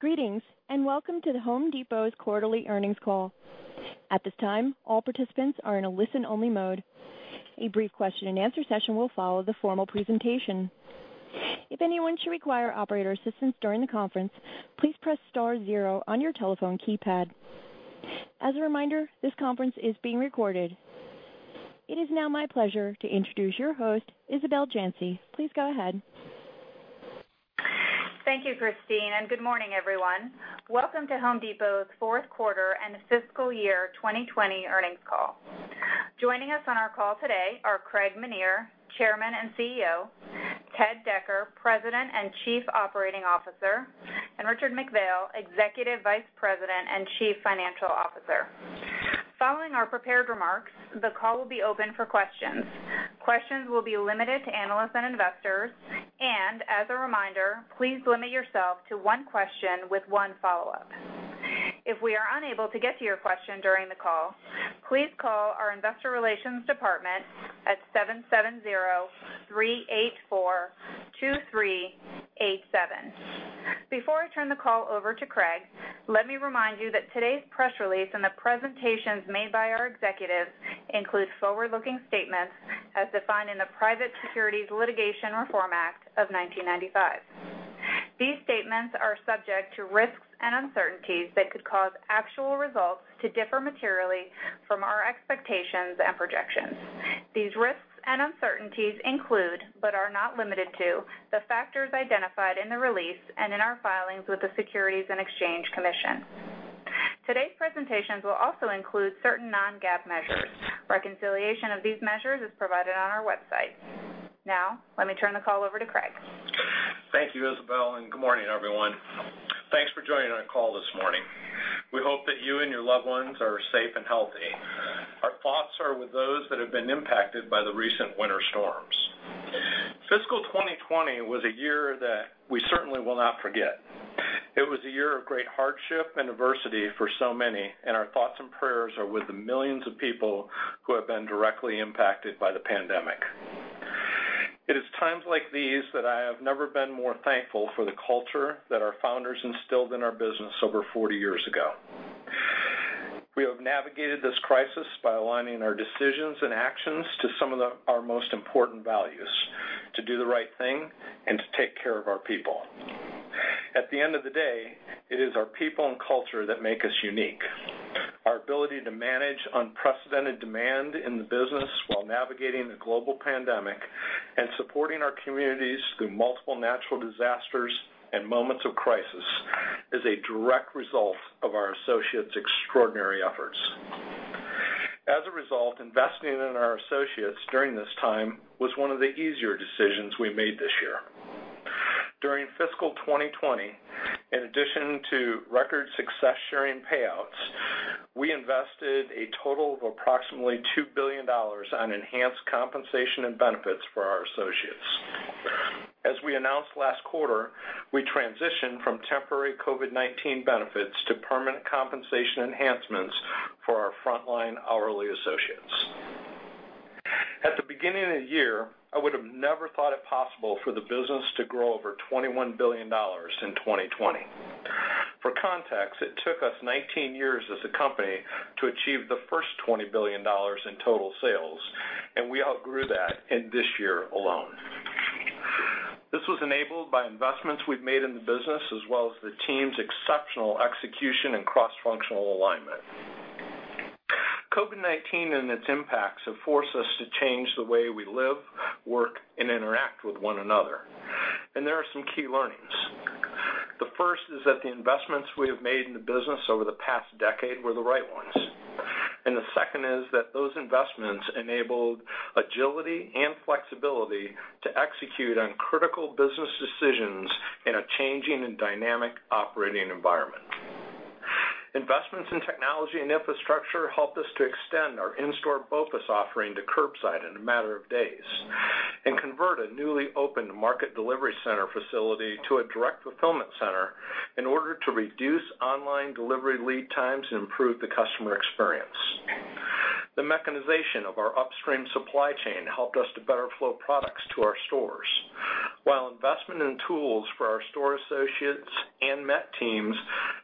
Greetings, and welcome to The Home Depot's quarterly earnings call. At this time, all participants are in a listen-only mode. A brief question and answer session will follow the formal presentation. If anyone should require operator assistance during the conference, please press star zero on your telephone keypad. As a reminder, this conference is being recorded. It is now my pleasure to introduce your host, Isabel Janci. Please go ahead. Thank you, Christine, and good morning, everyone. Welcome to The Home Depot's fourth quarter and fiscal year 2020 earnings call. Joining us on our call today are Craig Menear, Chairman and CEO, Ted Decker, President and Chief Operating Officer, and Richard McPhail, Executive Vice President and Chief Financial Officer. Following our prepared remarks, the call will be open for questions. Questions will be limited to analysts and investors. As a reminder, please limit yourself to one question with one follow-up. If we are unable to get to your question during the call, please call our investor relations department at 770-384-2387. Before I turn the call over to Craig, let me remind you that today's press release and the presentations made by our executives include forward-looking statements as defined in the Private Securities Litigation Reform Act of 1995. These statements are subject to risks and uncertainties that could cause actual results to differ materially from our expectations and projections. These risks and uncertainties include, but are not limited to, the factors identified in the release and in our filings with the Securities and Exchange Commission. Today's presentations will also include certain non-GAAP measures. Reconciliation of these measures is provided on our website. Now, let me turn the call over to Craig. Thank you, Isabel, and good morning, everyone. Thanks for joining our call this morning. We hope that you and your loved ones are safe and healthy. Our thoughts are with those that have been impacted by the recent winter storms. Fiscal 2020 was a year that we certainly will not forget. It was a year of great hardship and adversity for so many, and our thoughts and prayers are with the millions of people who have been directly impacted by the pandemic. It is times like these that I have never been more thankful for the culture that our founders instilled in our business over 40 years ago. We have navigated this crisis by aligning our decisions and actions to some of our most important values, to do the right thing and to take care of our people. At the end of the day, it is our people and culture that make us unique. Our ability to manage unprecedented demand in the business while navigating the global pandemic and supporting our communities through multiple natural disasters and moments of crisis is a direct result of our associates' extraordinary efforts. As a result, investing in our associates during this time was one of the easier decisions we made this year. During fiscal 2020, in addition to record success sharing payouts, we invested a total of approximately $2 billion on enhanced compensation and benefits for our associates. As we announced last quarter, we transitioned from temporary COVID-19 benefits to permanent compensation enhancements for our frontline hourly associates. At the beginning of the year, I would have never thought it possible for the business to grow over $21 billion in 2020. For context, it took us 19 years as a company to achieve the first $20 billion in total sales, and we outgrew that in this year alone. This was enabled by investments we've made in the business, as well as the team's exceptional execution and cross-functional alignment. COVID-19 and its impacts have forced us to change the way we live, work, and interact with one another, and there are some key learnings. The first is that the investments we have made in the business over the past decade were the right ones, and the second is that those investments enabled agility and flexibility to execute on critical business decisions in a changing and dynamic operating environment. Investments in technology and infrastructure helped us to extend our in-store BOPUS offering to curbside in a matter of days and convert a newly opened market delivery center facility to a direct fulfillment center in order to reduce online delivery lead times and improve the customer experience. The mechanization of our upstream supply chain helped us to better flow products to our stores, while investment in tools for our store associates and MET teams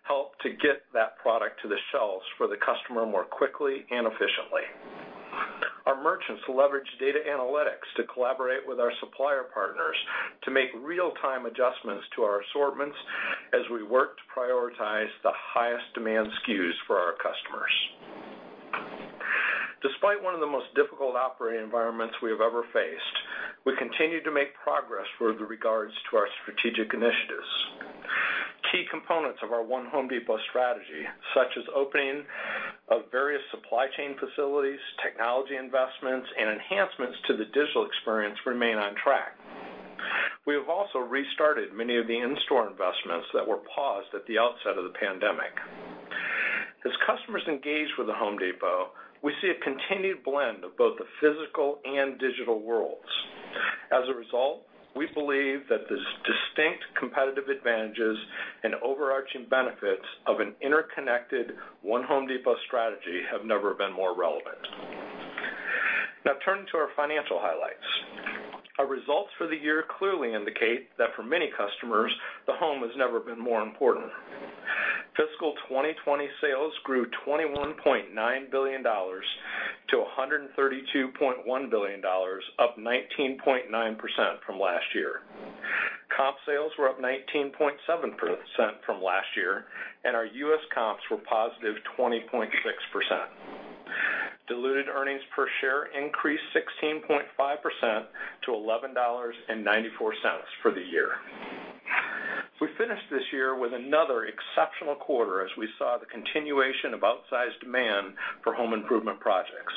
helped to get that product to the shelves for the customer more quickly and efficiently. Our merchants leveraged data analytics to collaborate with our supplier partners to make real-time adjustments to our assortments as we worked to prioritize the highest demand SKUs for our customers. Despite one of the most difficult operating environments we have ever faced, we continue to make progress with regards to our strategic initiatives. Key components of our One Home Depot strategy, such as opening of various supply chain facilities, technology investments, and enhancements to the digital experience, remain on track. We have also restarted many of the in-store investments that were paused at the outset of the pandemic. As customers engage with The Home Depot, we see a continued blend of both the physical and digital worlds. As a result, we believe that the distinct competitive advantages and overarching benefits of an interconnected One Home Depot strategy have never been more relevant. Now turning to our financial highlights. Our results for the year clearly indicate that for many customers, the home has never been more important. Fiscal 2020 sales grew $21.9 billion to $132.1 billion, up 19.9% from last year. Comp sales were up 19.7% from last year, and our U.S. comps were +20.6%. Diluted earnings per share increased 16.5% to $11.94 for the year. We finished this year with another exceptional quarter as we saw the continuation of outsized demand for home improvement projects.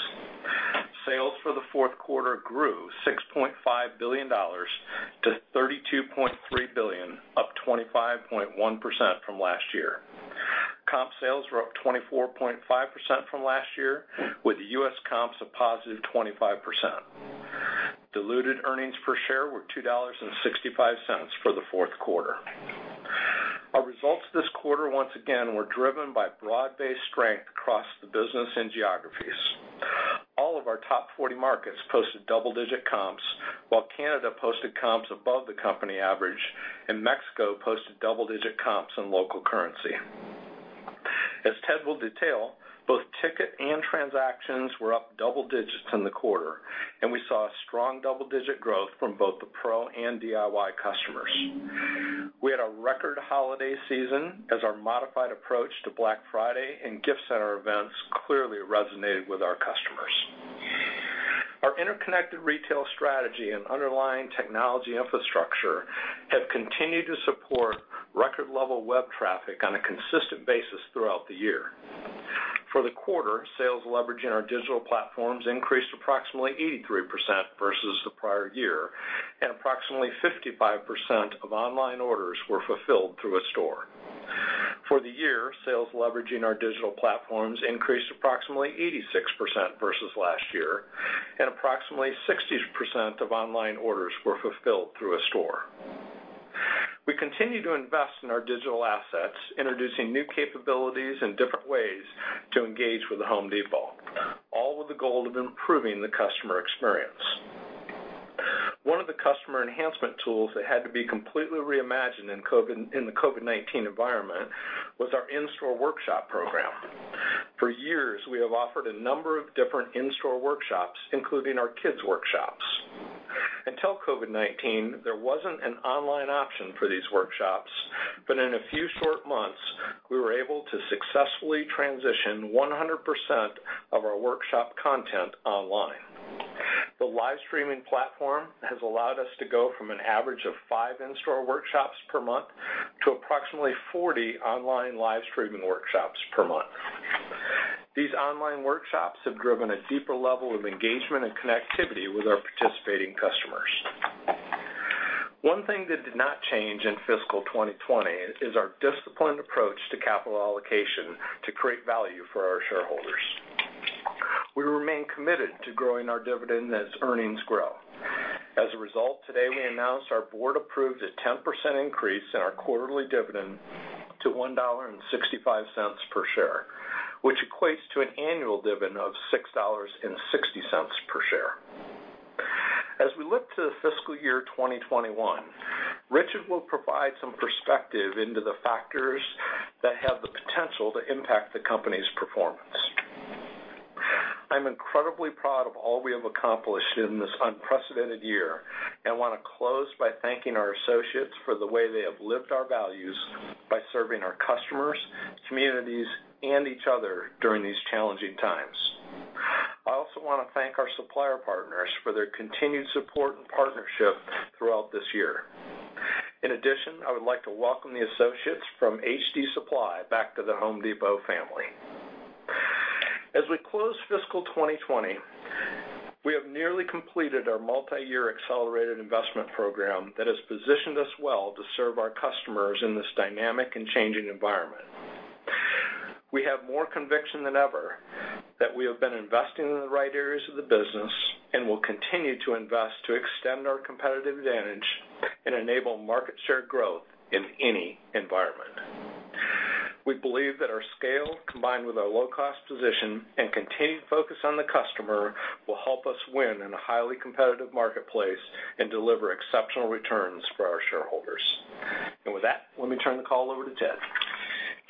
Sales for the fourth quarter grew $6.5 billion to $32.3 billion, up 25.1% from last year. Comp sales were up 24.5% from last year, with U.S. comps of +25%. Diluted earnings per share were $2.65 for the fourth quarter. Our results this quarter, once again, were driven by broad-based strength across the business and geographies. All of our top 40 markets posted double-digit comps, while Canada posted comps above the company average, and Mexico posted double-digit comps in local currency. As Ted will detail, both ticket and transactions were up double digits in the quarter, and we saw a strong double-digit growth from both the pro and DIY customers. We had a record holiday season as our modified approach to Black Friday and Gift Center events clearly resonated with our customers. Our interconnected retail strategy and underlying technology infrastructure have continued to support record level web traffic on a consistent basis throughout the year. For the quarter, sales leveraging our digital platforms increased approximately 83% versus the prior year, and approximately 55% of online orders were fulfilled through a store. For the year, sales leveraging our digital platforms increased approximately 86% versus last year, and approximately 60% of online orders were fulfilled through a store. We continue to invest in our digital assets, introducing new capabilities and different ways to engage with The Home Depot, all with the goal of improving the customer experience. One of the customer enhancement tools that had to be completely reimagined in the COVID-19 environment was our in-store workshop program. For years, we have offered a number of different in-store workshops, including our kids workshops. Until COVID-19, there wasn't an online option for these workshops, but in a few short months, we were able to successfully transition 100% of our workshop content online. The live streaming platform has allowed us to go from an average of five in-store workshops per month to approximately 40 online live streaming workshops per month. These online workshops have driven a deeper level of engagement and connectivity with our participating customers. One thing that did not change in fiscal 2020 is our disciplined approach to capital allocation to create value for our shareholders. We remain committed to growing our dividend as earnings grow. As a result, today we announced our board approved a 10% increase in our quarterly dividend to $1.65 per share, which equates to an annual dividend of $6.60 per share. As we look to the fiscal year 2021, Richard will provide some perspective into the factors that have the potential to impact the company's performance. I'm incredibly proud of all we have accomplished in this unprecedented year and want to close by thanking our associates for the way they have lived our values by serving our customers, communities, and each other during these challenging times. I also want to thank our supplier partners for their continued support and partnership throughout this year. In addition, I would like to welcome the associates from HD Supply back to The Home Depot family. As we close fiscal 2020, we have nearly completed our multi-year accelerated investment program that has positioned us well to serve our customers in this dynamic and changing environment. We have more conviction than ever that we have been investing in the right areas of the business and will continue to invest to extend our competitive advantage and enable market share growth in any environment. We believe that our scale, combined with our low-cost position and continued focus on the customer, will help us win in a highly competitive marketplace and deliver exceptional returns for our shareholders. With that, let me turn the call over to Ted.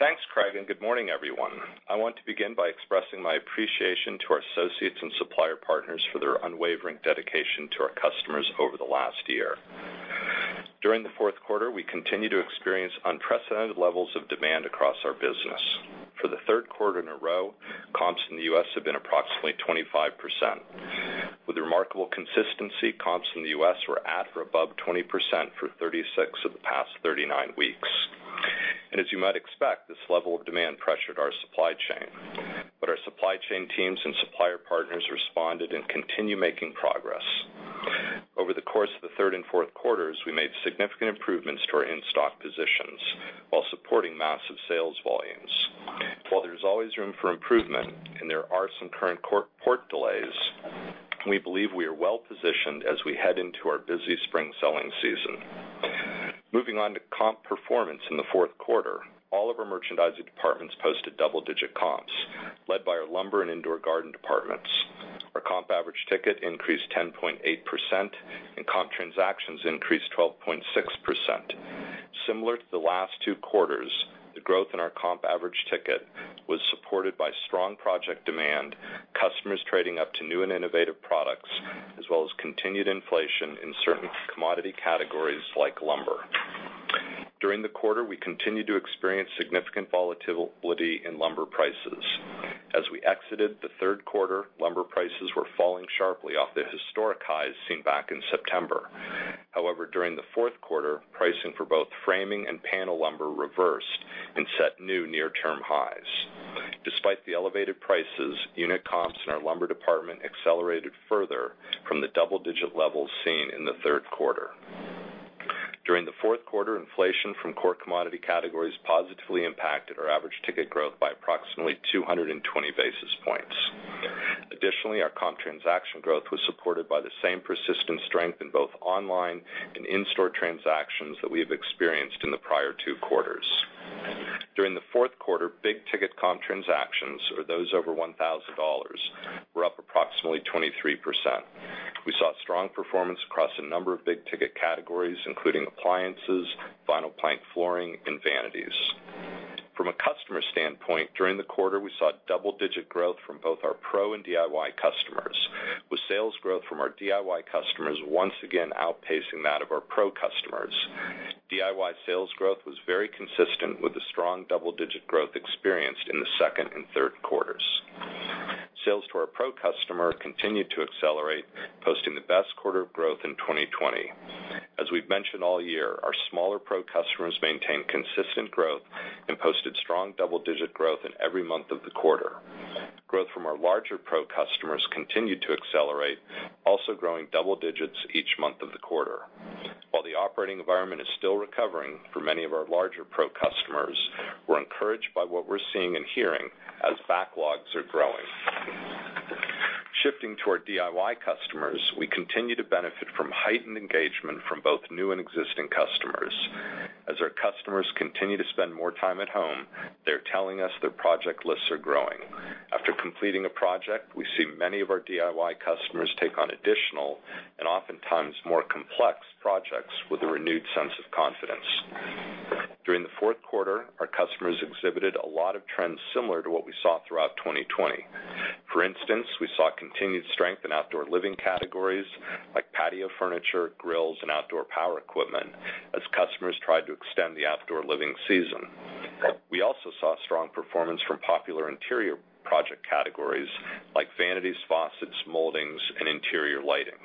Thanks, Craig, and good morning, everyone. I want to begin by expressing my appreciation to our associates and supplier partners for their unwavering dedication to our customers over the last year. During the fourth quarter, we continued to experience unprecedented levels of demand across our business. For the third quarter in a row, comps in the U.S. have been approximately 25%. With remarkable consistency, comps in the U.S. were at or above 20% for 36% of the past 39 weeks. As you might expect, this level of demand pressured our supply chain. Our supply chain teams and supplier partners responded and continue making progress. Over the course of the third and fourth quarters, we made significant improvements to our in-stock positions while supporting massive sales volumes. While there's always room for improvement and there are some current port delays, we believe we are well-positioned as we head into our busy spring selling season. Moving on to comp performance in the fourth quarter, all of our merchandising departments posted double-digit comps led by our lumber and indoor garden departments. Our comp average ticket increased 10.8% and comp transactions increased 12.6%. Similar to the last two quarters, the growth in our comp average ticket was supported by strong project demand, customers trading up to new and innovative products, as well as continued inflation in certain commodity categories like lumber. During the quarter, we continued to experience significant volatility in lumber prices. As we exited the third quarter, lumber prices were falling sharply off the historic highs seen back in September. However, during the fourth quarter, pricing for both framing and panel lumber reversed and set new near-term highs. Despite the elevated prices, unit comps in our lumber department accelerated further from the double-digit levels seen in the third quarter. During the fourth quarter, inflation from core commodity categories positively impacted our average ticket growth by approximately 220 basis points. Additionally, our comp transaction growth was supported by the same persistent strength in both online and in-store transactions that we have experienced in the prior two quarters. During the fourth quarter, big-ticket comp transactions, or those over $1,000, were up approximately 23%. We saw strong performance across a number of big-ticket categories, including appliances, vinyl plank flooring, and vanities. From a customer standpoint, during the quarter, we saw double-digit growth from both our pro and DIY customers, with sales growth from our DIY customers once again outpacing that of our pro customers. DIY sales growth was very consistent with the strong double-digit growth experienced in the second and third quarters. Sales to our pro customer continued to accelerate, posting the best quarter of growth in 2020. As we've mentioned all year, our smaller pro customers maintained consistent growth and posted strong double-digit growth in every month of the quarter. Growth from our larger pro customers continued to accelerate, also growing double digits each month of the quarter. While the operating environment is still recovering for many of our larger pro customers, we're encouraged by what we're seeing and hearing as backlogs are growing. Shifting to our DIY customers, we continue to benefit from heightened engagement from both new and existing customers. As our customers continue to spend more time at home, they're telling us their project lists are growing. After completing a project, we see many of our DIY customers take on additional, and oftentimes more complex projects with a renewed sense of confidence. During the fourth quarter, our customers exhibited a lot of trends similar to what we saw throughout 2020. For instance, we saw continued strength in outdoor living categories like patio furniture, grills, and outdoor power equipment as customers tried to extend the outdoor living season. We also saw strong performance from popular interior project categories like vanities, faucets, moldings, and interior lighting.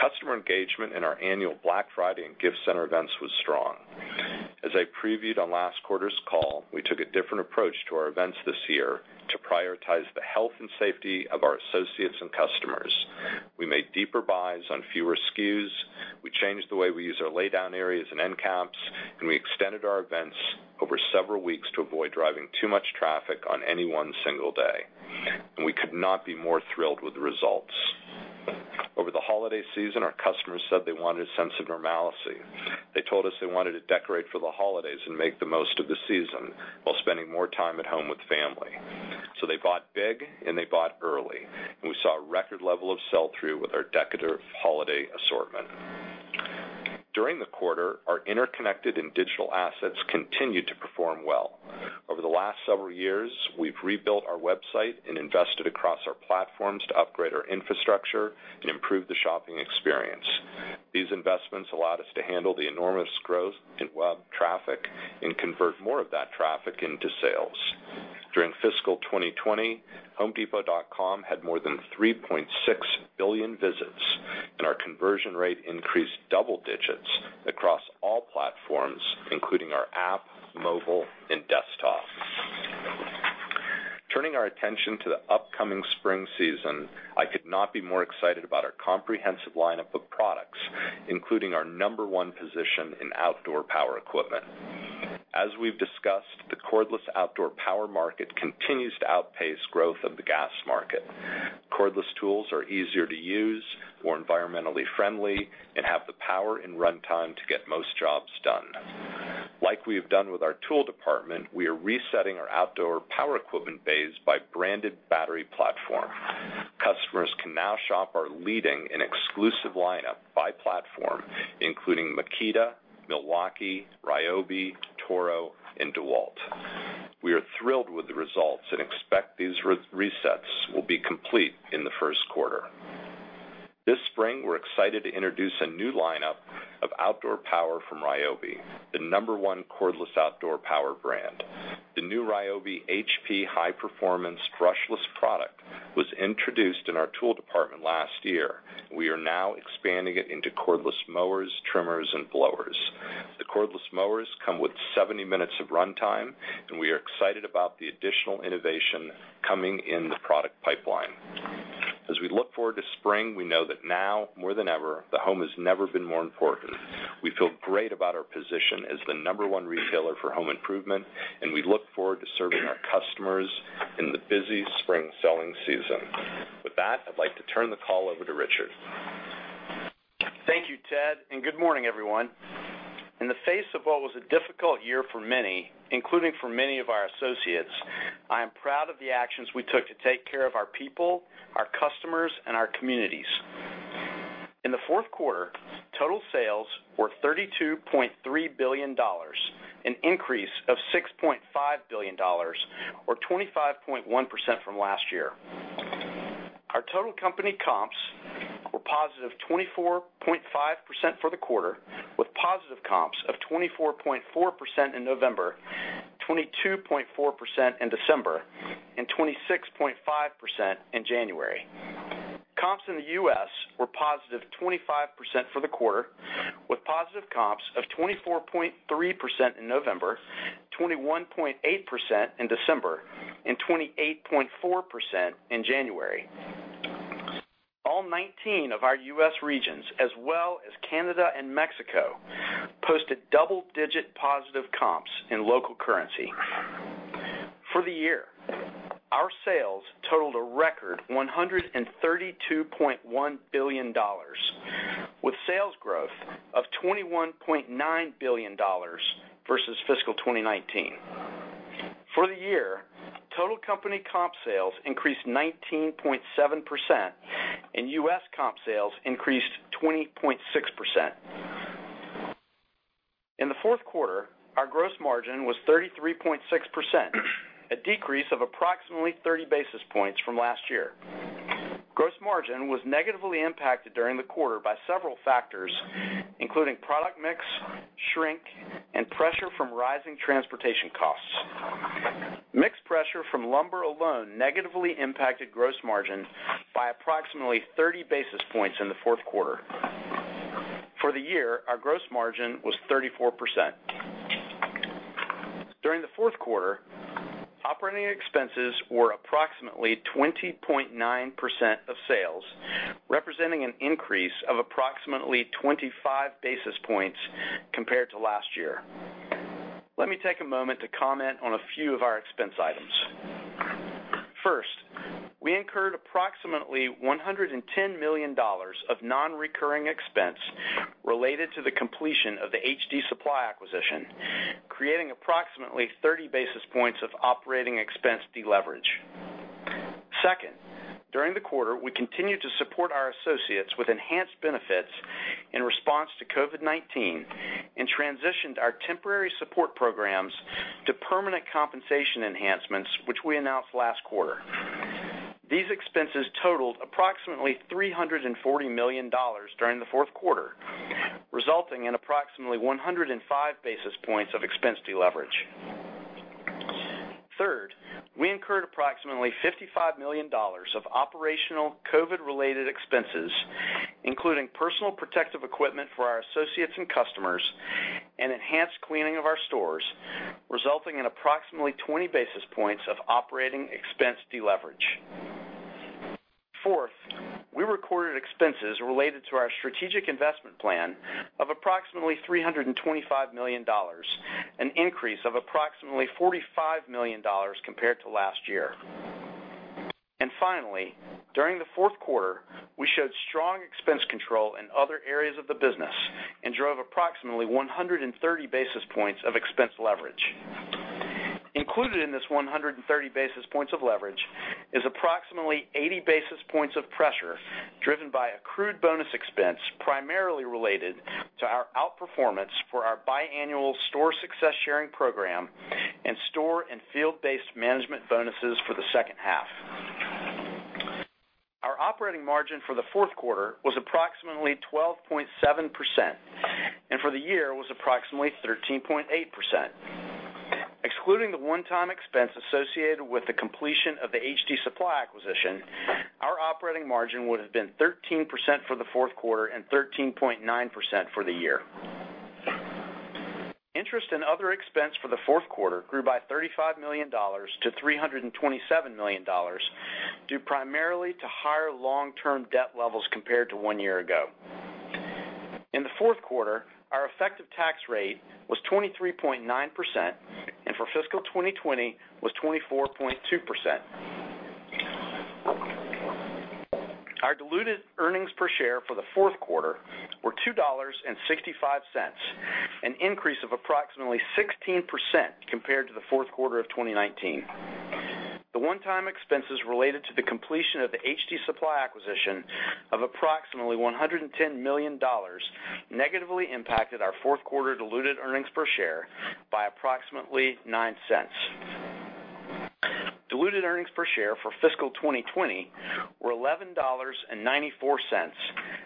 Customer engagement in our annual Black Friday and Gift Center events was strong. As I previewed on last quarter's call, we took a different approach to our events this year to prioritize the health and safety of our associates and customers. We made deeper buys on fewer SKUs, we changed the way we use our laydown areas and end caps, we extended our events over several weeks to avoid driving too much traffic on any one single day. We could not be more thrilled with the results. Over the holiday season, our customers said they wanted a sense of normalcy. They told us they wanted to decorate for the holidays and make the most of the season while spending more time at home with family. They bought big and they bought early, and we saw a record level of sell-through with our decorative holiday assortment. During the quarter, our interconnected and digital assets continued to perform well. Over the last several years, we've rebuilt our website and invested across our platforms to upgrade our infrastructure and improve the shopping experience. These investments allowed us to handle the enormous growth in web traffic and convert more of that traffic into sales. During fiscal 2020, homedepot.com had more than 3.6 billion visits, and our conversion rate increased double digits across all platforms, including our app, mobile, and desktop. Turning our attention to the upcoming spring season, I could not be more excited about our comprehensive lineup of products, including our number one position in outdoor power equipment. As we've discussed, the cordless outdoor power market continues to outpace growth of the gas market. Cordless tools are easier to use, more environmentally friendly, and have the power and runtime to get most jobs done. Like we have done with our tool department, we are resetting our outdoor power equipment bays by branded battery platform. Customers can now shop our leading and exclusive lineup by platform, including Makita, Milwaukee, Ryobi, Toro, and DeWalt. We are thrilled with the results and expect these resets will be complete in the first quarter. This spring, we're excited to introduce a new lineup of outdoor power from Ryobi, the number one cordless outdoor power brand. The new Ryobi HP high-performance brushless product was introduced in our tool department last year. We are now expanding it into cordless mowers, trimmers, and blowers. The cordless mowers come with 70 minutes of runtime, and we are excited about the additional innovation coming in the product pipeline. As we look forward to spring, we know that now more than ever, the home has never been more important. We feel great about our position as the number one retailer for home improvement, and we look forward to serving our customers in the busy spring selling season. With that, I'd like to turn the call over to Richard. Ted, good morning, everyone. In the face of what was a difficult year for many, including for many of our associates, I am proud of the actions we took to take care of our people, our customers, and our communities. In the fourth quarter, total sales were $32.3 billion, an increase of $6.5 billion, or 25.1% from last year. Our total company comps were positive 24.5% for the quarter, with positive comps of 24.4% in November, 22.4% in December, and 26.5% in January. Comps in the U.S. were +25% for the quarter, with positive comps of 24.3% in November, 21.8% in December, and 28.4% in January. All 19 of our U.S. regions, as well as Canada and Mexico, posted double-digit positive comps in local currency. For the year, our sales totaled a record $132.1 billion, with sales growth of $21.9 billion versus fiscal 2019. For the year, total company comp sales increased 19.7%, and U.S. comp sales increased 20.6%. In the fourth quarter, our gross margin was 33.6%, a decrease of approximately 30 basis points from last year. Gross margin was negatively impacted during the quarter by several factors, including product mix, shrink, and pressure from rising transportation costs. Mix pressure from lumber alone negatively impacted gross margin by approximately 30 basis points in the fourth quarter. For the year, our gross margin was 34%. During the fourth quarter, operating expenses were approximately 20.9% of sales, representing an increase of approximately 25 basis points compared to last year. Let me take a moment to comment on a few of our expense items. First, we incurred approximately $110 million of non-recurring expense related to the completion of the HD Supply acquisition, creating approximately 30 basis points of operating expense deleverage. Second, during the quarter, we continued to support our associates with enhanced benefits in response to COVID-19 and transitioned our temporary support programs to permanent compensation enhancements, which we announced last quarter. These expenses totaled approximately $340 million during the fourth quarter, resulting in approximately 105 basis points of expense deleverage. Third, we incurred approximately $55 million of operational COVID-related expenses, including personal protective equipment for our associates and customers and enhanced cleaning of our stores, resulting in approximately 20 basis points of operating expense deleverage. Fourth, we recorded expenses related to our strategic investment plan of approximately $325 million, an increase of approximately $45 million compared to last year. Finally, during the fourth quarter, we showed strong expense control in other areas of the business and drove approximately 130 basis points of expense leverage. Included in this 130 basis points of leverage is approximately 80 basis points of pressure driven by accrued bonus expense, primarily related to our outperformance for our biannual store success sharing program and store and field-based management bonuses for the second half. Our operating margin for the fourth quarter was approximately 12.7%, and for the year was approximately 13.8%. Excluding the one-time expense associated with the completion of the HD Supply acquisition, our operating margin would have been 13% for the fourth quarter and 13.9% for the year. Interest and other expense for the fourth quarter grew by $35 million to $327 million due primarily to higher long-term debt levels compared to one year ago. In the fourth quarter, our effective tax rate was 23.9%, and for fiscal 2020 was 24.2%. Our diluted earnings per share for the fourth quarter were $2.65, an increase of approximately 16% compared to the fourth quarter of 2019. The one-time expenses related to the completion of the HD Supply acquisition of approximately $110 million negatively impacted our fourth quarter diluted earnings per share by approximately $0.09. Diluted earnings per share for fiscal 2020 were $11.94,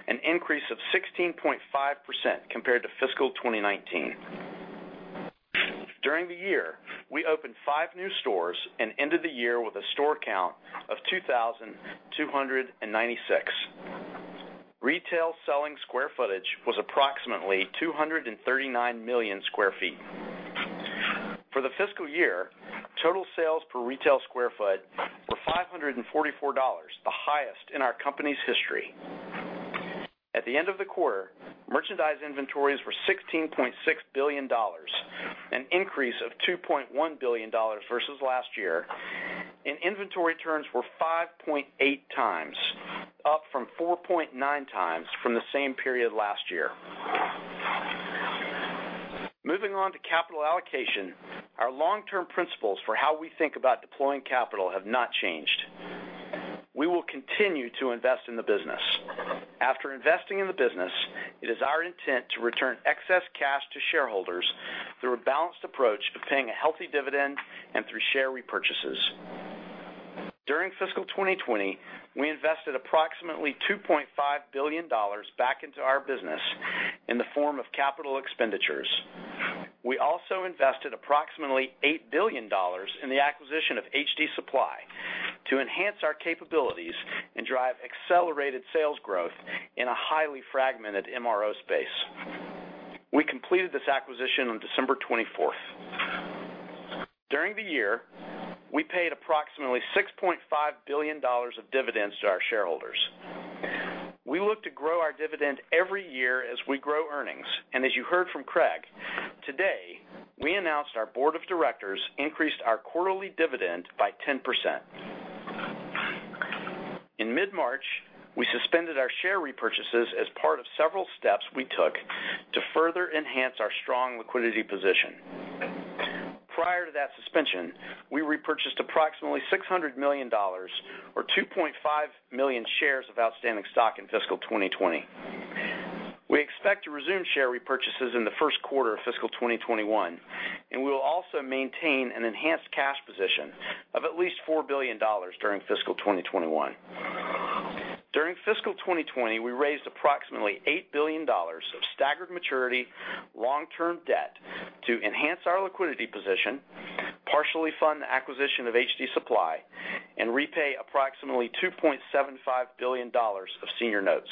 an increase of 16.5% compared to fiscal 2019. During the year, we opened five new stores and ended the year with a store count of 2,296. Retail selling square footage was approximately 239 million square feet. For the fiscal year, total sales per retail square foot were $544, the highest in our company's history. At the end of the quarter, merchandise inventories were $16.6 billion. An increase of $2.1 billion versus last year. Inventory turns were 5.8x, up from 4.9x from the same period last year. Moving on to capital allocation, our long-term principles for how we think about deploying capital have not changed. We will continue to invest in the business. After investing in the business, it is our intent to return excess cash to shareholders through a balanced approach to paying a healthy dividend and through share repurchases. During fiscal 2020, we invested approximately $2.5 billion back into our business in the form of capital expenditures. We also invested approximately $8 billion in the acquisition of HD Supply to enhance our capabilities and drive accelerated sales growth in a highly fragmented MRO space. We completed this acquisition on December 24th. During the year, we paid approximately $6.5 billion of dividends to our shareholders. We look to grow our dividend every year as we grow earnings, and as you heard from Craig, today, we announced our board of directors increased our quarterly dividend by 10%. In mid-March, we suspended our share repurchases as part of several steps we took to further enhance our strong liquidity position. Prior to that suspension, we repurchased approximately $600 million or 2.5 million shares of outstanding stock in fiscal 2020. We expect to resume share repurchases in the first quarter of fiscal 2021, and we will also maintain an enhanced cash position of at least $4 billion during fiscal 2021. During fiscal 2020, we raised approximately $8 billion of staggered maturity long-term debt to enhance our liquidity position, partially fund the acquisition of HD Supply, and repay approximately $2.75 billion of senior notes.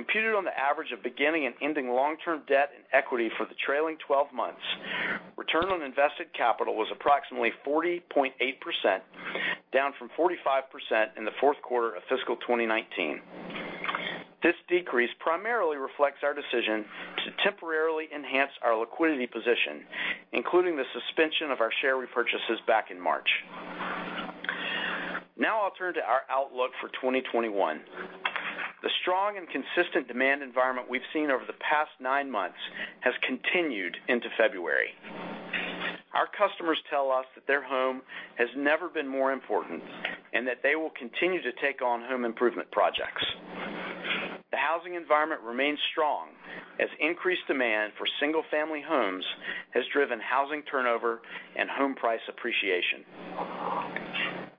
Computed on the average of beginning and ending long-term debt and equity for the trailing 12 months, return on invested capital was approximately 40.8%, down from 45% in the fourth quarter of fiscal 2019. This decrease primarily reflects our decision to temporarily enhance our liquidity position, including the suspension of our share repurchases back in March. I'll turn to our outlook for 2021. The strong and consistent demand environment we've seen over the past nine months has continued into February. Our customers tell us that their home has never been more important, and that they will continue to take on home improvement projects. The housing environment remains strong as increased demand for single-family homes has driven housing turnover and home price appreciation.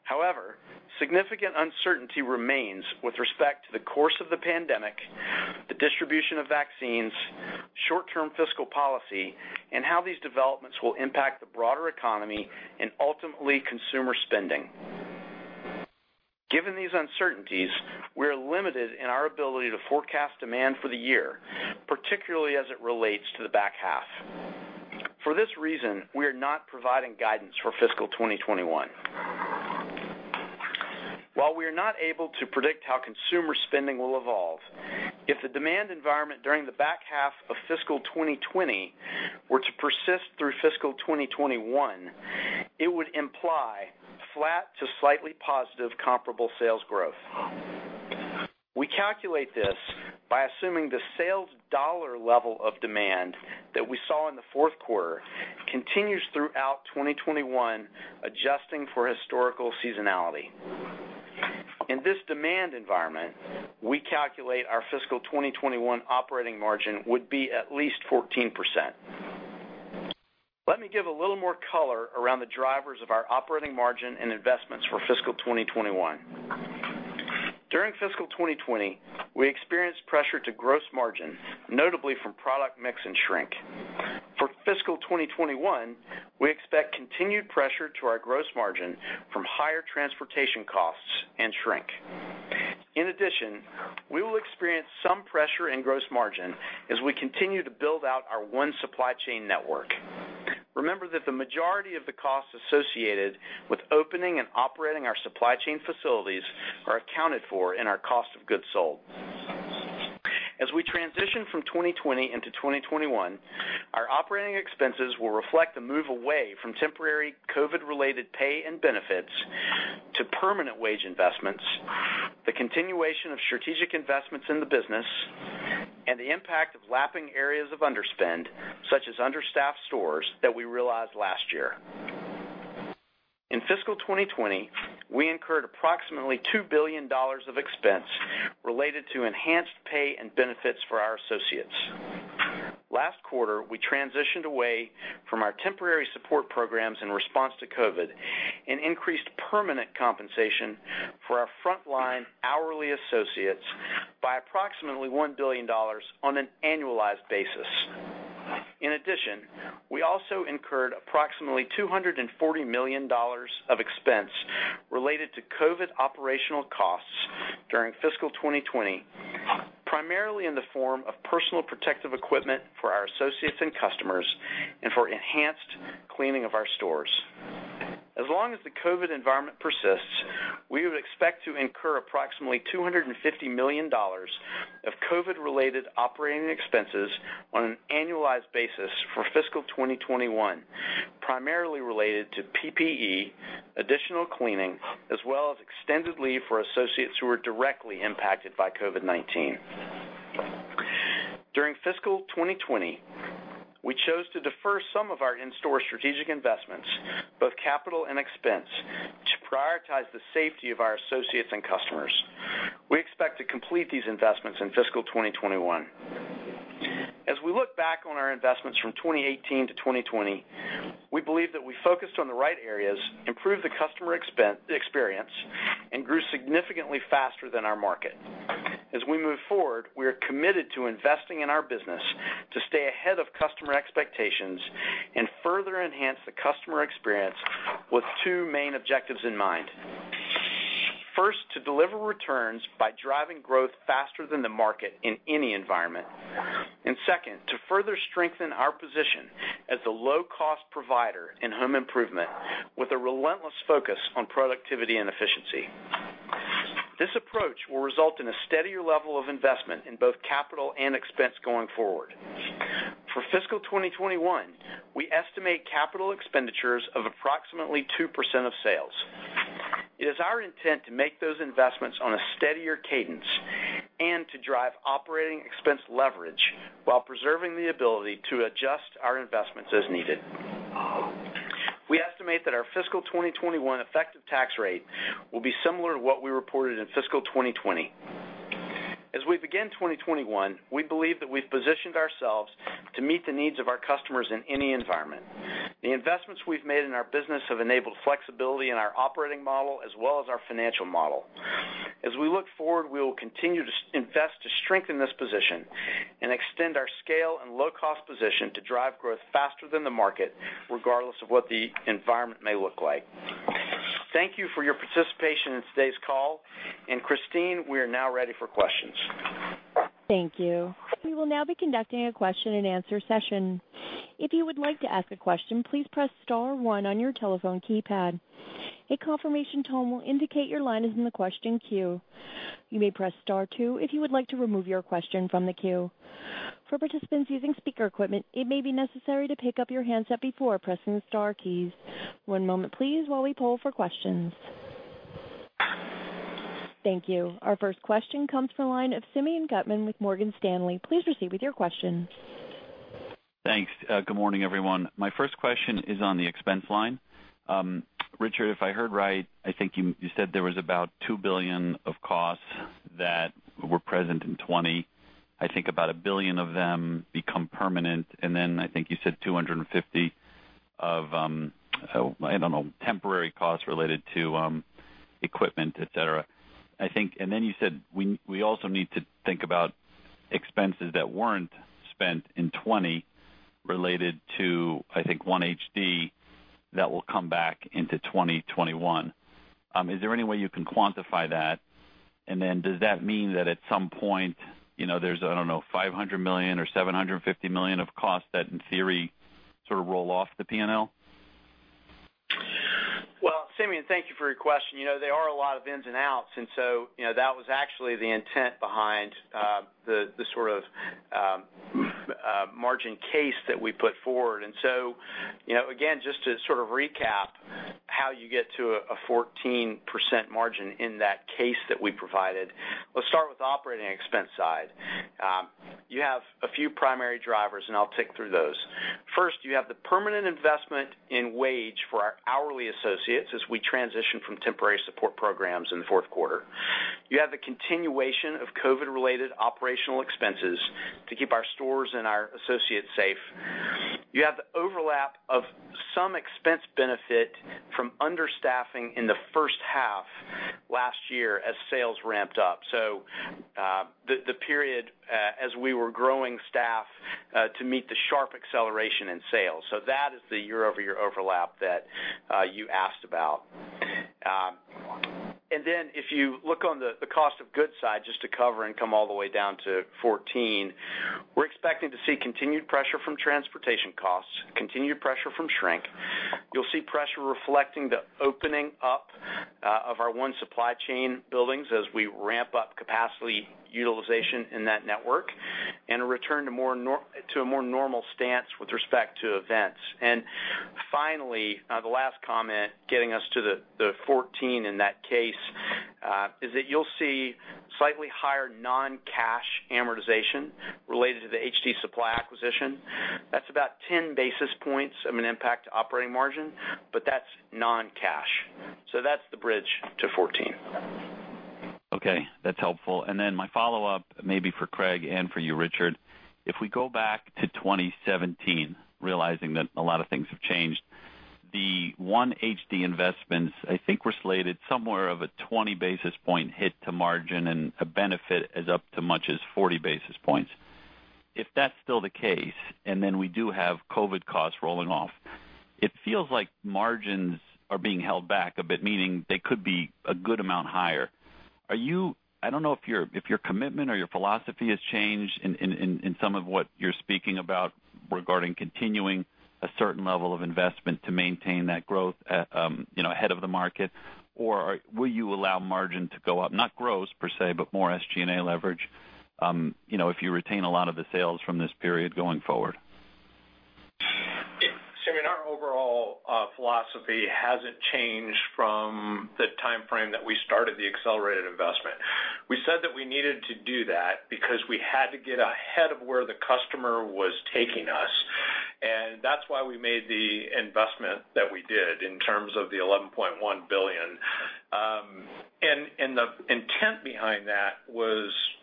However, significant uncertainty remains with respect to the course of the pandemic, the distribution of vaccines, short-term fiscal policy, and how these developments will impact the broader economy and ultimately consumer spending. Given these uncertainties, we're limited in our ability to forecast demand for the year, particularly as it relates to the back half. For this reason, we are not providing guidance for fiscal 2021. While we are not able to predict how consumer spending will evolve, if the demand environment during the back half of fiscal 2020 were to persist through fiscal 2021, it would imply flat to slightly positive comparable sales growth. We calculate this by assuming the sales dollar level of demand that we saw in the fourth quarter continues throughout 2021, adjusting for historical seasonality. In this demand environment, we calculate our fiscal 2021 operating margin would be at least 14%. Let me give a little more color around the drivers of our operating margin and investments for fiscal 2021. During fiscal 2020, we experienced pressure to gross margin, notably from product mix and shrink. For fiscal 2021, we expect continued pressure to our gross margin from higher transportation costs and shrink. In addition, we will experience some pressure in gross margin as we continue to build out our One Supply Chain network. Remember that the majority of the costs associated with opening and operating our supply chain facilities are accounted for in our cost of goods sold. As we transition from 2020 into 2021, our operating expenses will reflect the move away from temporary COVID-related pay and benefits to permanent wage investments, the continuation of strategic investments in the business, and the impact of lapping areas of underspend, such as understaffed stores, that we realized last year. In fiscal 2020, we incurred approximately $2 billion of expense related to enhanced pay and benefits for our associates. Last quarter, we transitioned away from our temporary support programs in response to COVID and increased permanent compensation for our frontline hourly associates by approximately $1 billion on an annualized basis. In addition, we also incurred approximately $240 million of expense related to COVID operational costs during fiscal 2020, primarily in the form of personal protective equipment for our associates and customers and for enhanced cleaning of our stores. As long as the COVID environment persists, we would expect to incur approximately $250 million of COVID-related operating expenses on an annualized basis for fiscal 2021, primarily related to PPE, additional cleaning, as well as extended leave for associates who are directly impacted by COVID-19. During fiscal 2020, we chose to defer some of our in-store strategic investments, both capital and expense, to prioritize the safety of our associates and customers. We expect to complete these investments in fiscal 2021. As we look back on our investments from 2018 to 2020, we believe that we focused on the right areas, improved the customer experience, and grew significantly faster than our market. As we move forward, we are committed to investing in our business to stay ahead of customer expectations and further enhance the customer experience with two main objectives in mind. First, to deliver returns by driving growth faster than the market in any environment. Second, to further strengthen our position as the low-cost provider in home improvement with a relentless focus on productivity and efficiency. This approach will result in a steadier level of investment in both capital and expense going forward. For fiscal 2021, we estimate capital expenditures of approximately 2% of sales. It is our intent to make those investments on a steadier cadence and to drive operating expense leverage while preserving the ability to adjust our investments as needed. We estimate that our fiscal 2021 effective tax rate will be similar to what we reported in fiscal 2020. As we begin 2021, we believe that we've positioned ourselves to meet the needs of our customers in any environment. The investments we've made in our business have enabled flexibility in our operating model as well as our financial model. As we look forward, we will continue to invest to strengthen this position and extend our scale and low-cost position to drive growth faster than the market, regardless of what the environment may look like. Thank you for your participation in today's call. Christine, we are now ready for questions. Thank you. We will now be conducting a question and answer session. If you would like to ask a question, please press star one on your telephone keypad. A confirmation tone will indicate your line is in the question queue. You may press star two if you would like to remove your question from the queue. For participants using speaker equipment, it may be necessary to pick up your handset before pressing the star keys. One moment please, while we poll for questions. Thank you. Our first question comes from the line of Simeon Gutman with Morgan Stanley. Please proceed with your question. Thanks. Good morning, everyone. My first question is on the expense line. Richard, if I heard right, I think you said there was about $2 billion of costs that were present in 2020. I think about $1 billion of them become permanent. Then I think you said $250 million of, I don't know, temporary costs related to equipment, et cetera. Then you said we also need to think about expenses that weren't spent in 2020 related to, I think, One HD that will come back into 2021. Is there any way you can quantify that? Then does that mean that at some point there's, I don't know, $500 million or $750 million of costs that, in theory, sort of roll off the P&L? Well, Simeon, thank you for your question. There are a lot of ins and outs. That was actually the intent behind the sort of margin case that we put forward. Again, just to sort of recap how you get to a 14% margin in that case that we provided, let's start with the operating expense side. You have a few primary drivers, and I'll tick through those. First, you have the permanent investment in wage for our hourly associates as we transition from temporary support programs in the fourth quarter. You have the continuation of COVID-related operational expenses to keep our stores and our associates safe. You have the overlap of some expense benefit from understaffing in the first half last year as sales ramped up. The period as we were growing staff to meet the sharp acceleration in sales. That is the year-over-year overlap that you asked about. Then if you look on the cost of goods side, just to cover and come all the way down to 14, we're expecting to see continued pressure from transportation costs, continued pressure from shrink. You'll see pressure reflecting the opening up of our One Supply Chain buildings as we ramp up capacity utilization in that network and a return to a more normal stance with respect to events. Finally, the last comment, getting us to the 14 in that case, is that you'll see slightly higher non-cash amortization related to the HD Supply acquisition. That's about 10 basis points of an impact to operating margin, but that's non-cash. That's the bridge to 14. Okay. That's helpful. My follow-up may be for Craig and for you, Richard. If we go back to 2017, realizing that a lot of things have changed, the One HD investments, I think, were slated somewhere of a 20 basis point hit to margin and a benefit as up to much as 40 basis points. If that's still the case, we do have COVID costs rolling off, it feels like margins are being held back a bit, meaning they could be a good amount higher. I don't know if your commitment or your philosophy has changed in some of what you're speaking about regarding continuing a certain level of investment to maintain that growth ahead of the market, or will you allow margin to go up, not gross per se, but more SG&A leverage, if you retain a lot of the sales from this period going forward? Simeon, our overall philosophy hasn't changed from the timeframe that we started the accelerated investment. We said that we needed to do that because we had to get ahead of where the customer was taking us, and that's why we made the investment that we did in terms of the $11.1 billion. The intent behind that was twofold.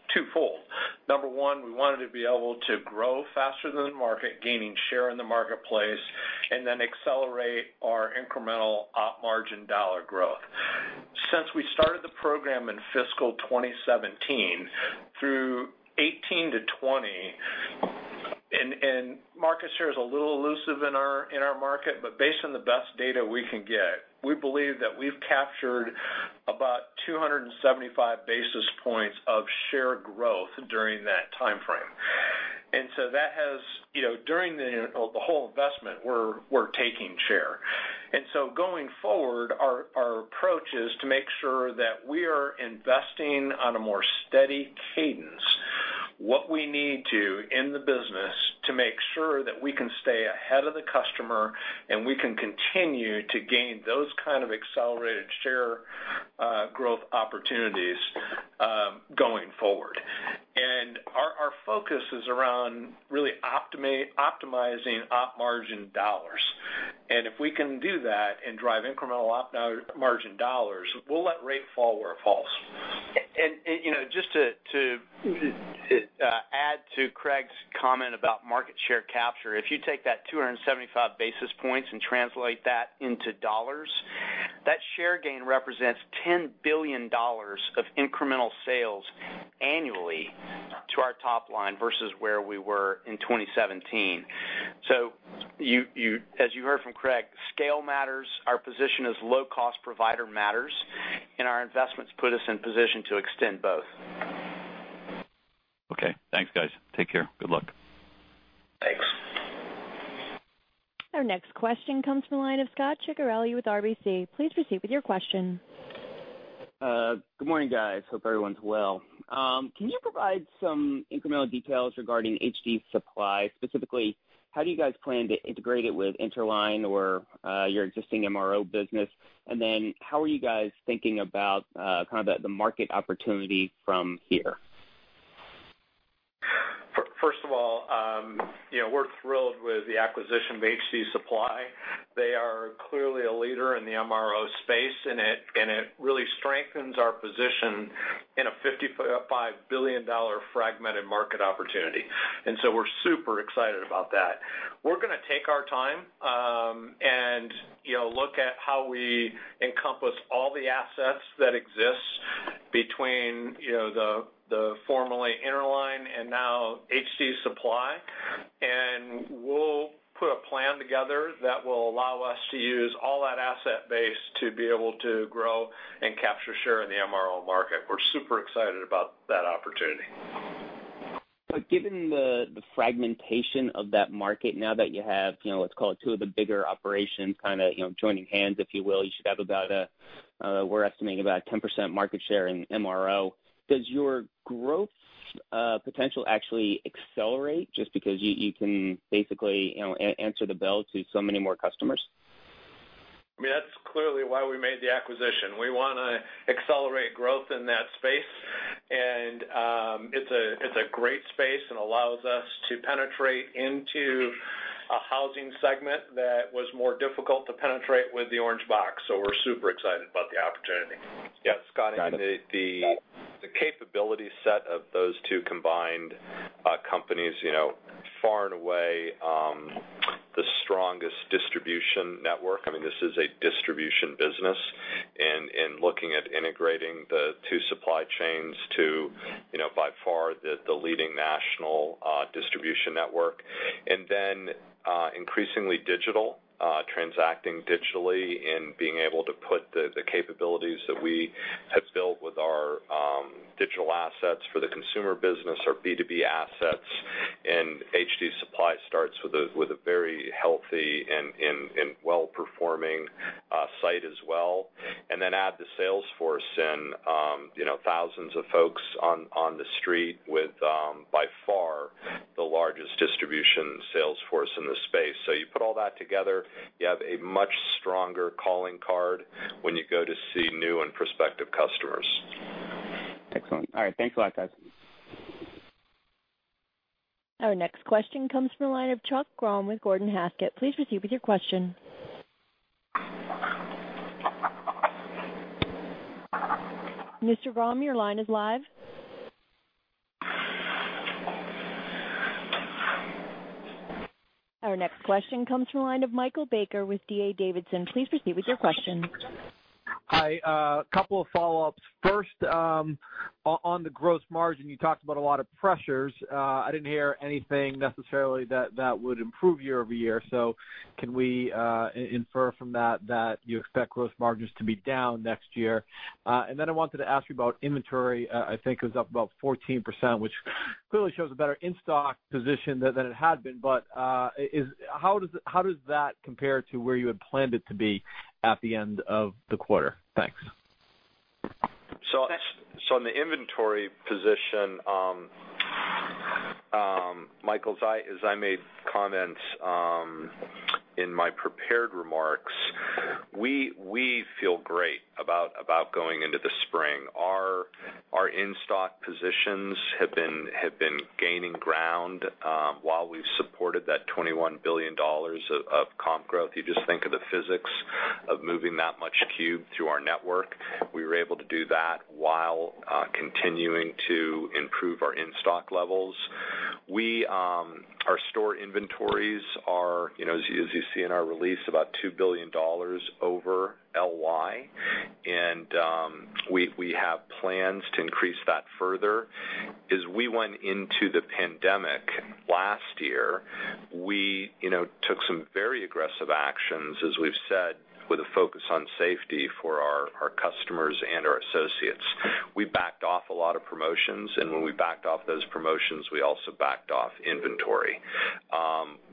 Number one, we wanted to be able to grow faster than the market, gaining share in the marketplace, and then accelerate our incremental op margin dollar growth. Since we started the program in fiscal 2017 through 2018 to 2020, market share is a little elusive in our market, but based on the best data we can get, we believe that we've captured about 275 basis points of share growth during that timeframe. During the whole investment, we're taking share. Going forward, our approach is to make sure that we are investing on a more steady cadence, what we need to in the business to make sure that we can stay ahead of the customer, and we can continue to gain those kind of accelerated share growth opportunities going forward. Our focus is around really optimizing op margin dollars. If we can do that and drive incremental op margin dollars, we'll let rate fall where it falls. Just to add to Craig's comment about market share capture, if you take that 275 basis points and translate that into dollars, that share gain represents $10 billion of incremental sales annually to our top line versus where we were in 2017. As you heard from Craig, scale matters. Our position as low cost provider matters, and our investments put us in position to extend both. Okay, thanks guys. Take care. Good luck. Thanks. Our next question comes from the line of Scot Ciccarelli with RBC. Please proceed with your question. Good morning, guys. Hope everyone's well. Can you provide some incremental details regarding HD Supply? Specifically, how do you guys plan to integrate it with Interline or your existing MRO business? Then how are you guys thinking about kind of the market opportunity from here? First of all, we're thrilled with the acquisition of HD Supply. They are clearly a leader in the MRO space, and it really strengthens our position in a $55 billion fragmented market opportunity. We're super excited about that. We're going to take our time and look at how we encompass all the assets that exist between the formerly Interline and now HD Supply. We'll put a plan together that will allow us to use all that asset base to be able to grow and capture share in the MRO market. We're super excited about that opportunity. Given the fragmentation of that market now that you have, let's call it two of the bigger operations kind of joining hands, if you will, you should have about a, we're estimating about 10% market share in MRO. Does your growth potential actually accelerate just because you can basically answer the bell to so many more customers? That's clearly why we made the acquisition. We want to accelerate growth in that space, and it's a great space and allows us to penetrate into a housing segment that was more difficult to penetrate with the Orange Box, so we're super excited about the opportunity. Yeah, Scot, the capability set of those two combined companies far and away the strongest distribution network. This is a distribution business looking at integrating the two supply chains to, by far, the leading national distribution network. Increasingly digital, transacting digitally and being able to put the capabilities that we have built with our digital assets for the consumer business, our B2B assets, and HD Supply starts with a very healthy and well-performing site as well. Add the sales force and thousands of folks on the street with by far the largest distribution sales force in the space. You put all that together, you have a much stronger calling card when you go to see new and prospective customers. Excellent. All right. Thanks a lot, guys. Our next question comes from the line of Chuck Grom with Gordon Haskett. Please proceed with your question. Mr. Grom, your line is live. Our next question comes from the line of Michael Baker with D.A. Davidson. Please proceed with your question. Hi. A couple of follow-ups. First, on the gross margin, you talked about a lot of pressures. I didn't hear anything necessarily that would improve year-over-year. Can we infer from that you expect gross margins to be down next year? I wanted to ask you about inventory. I think it was up about 14%, which clearly shows a better in-stock position than it had been, but how does that compare to where you had planned it to be at the end of the quarter? Thanks. On the inventory position, Michael, as I made comments in my prepared remarks, we feel great about going into the spring. Our in-stock positions have been gaining ground while we've supported that $21 billion of comp growth. You just think of the physics of moving that much cube through our network. We were able to do that while continuing to improve our in-stock levels. Our store inventories are, as you see in our release, about $2 billion over LY. We have plans to increase that further. As we went into the pandemic last year, we took some very aggressive actions, as we've said, with a focus on safety for our customers and our associates. We backed off a lot of promotions, and when we backed off those promotions, we also backed off inventory.